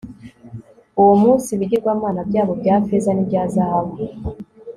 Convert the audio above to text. uwo munsi ibigirwamana byabo bya feza n'ibya zahabu